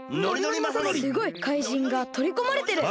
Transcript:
すごい！かいじんがとりこまれてる！